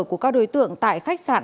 của các đối tượng tại khách sạn